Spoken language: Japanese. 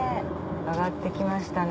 上がってきましたね